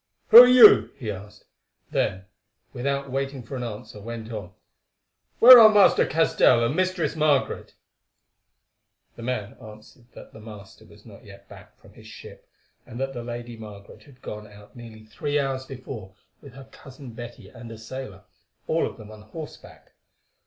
"Who are you?" he asked; then, without waiting for an answer, went on, "Where are Master Castell and Mistress Margaret?" The man answered that the master was not yet back from his ship, and that the Lady Margaret had gone out nearly three hours before with her cousin Betty and a sailor—all of them on horseback.